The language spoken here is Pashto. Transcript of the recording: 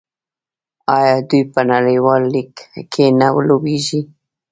آیا دوی په نړیوال لیګ کې نه لوبېږي؟